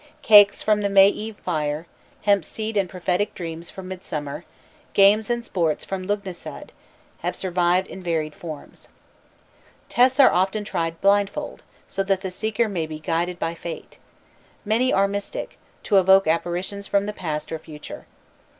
Cakes from the May Eve fire, hemp seed and prophetic dreams from Midsummer, games and sports from Lugnasad have survived in varied forms. Tests are very often tried blindfold, so that the seeker may be guided by fate. Many are mystic to evoke apparitions from the past or future.